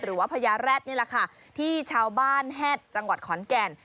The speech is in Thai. พญาแร็ดนี่แหละค่ะที่ชาวบ้านแฮดจังหวัดขอนแก่น